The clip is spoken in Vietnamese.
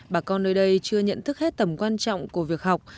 bà con nơi đây chưa nhận thức hết tầm quan trọng của việc học